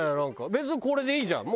別にこれでいいじゃん。